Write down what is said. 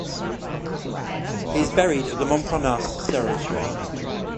He is buried at the Montparnasse Cemetery.